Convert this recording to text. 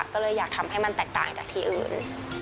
ก็เลยอยากทำให้มันแตกต่างจากที่อื่น